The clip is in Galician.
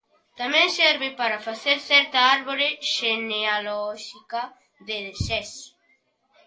Tamén serve para facer certa árbore xenealóxica de Sés.